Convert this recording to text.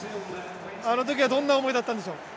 あのときはどんな思いだったんでしょう？